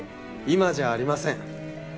今じゃありません。